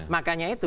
nah makanya itu